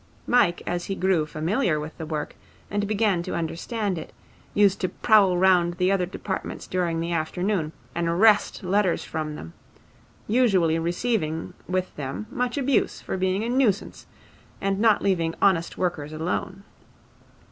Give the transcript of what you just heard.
Mike as he grew familiar with the work, and began to understand it, used to prowl round the other departments during the afternoon and wrest letters from them, usually receiving with them much abuse for being a nuisance and not leaving honest workers alone.